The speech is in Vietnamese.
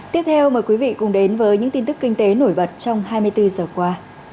tiếp theo mời quý vị cùng đến với những tin tức kinh tế nổi bật trong hai mươi bốn giờ qua